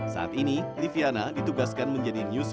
saat ini liviana ditugaskan menjadi news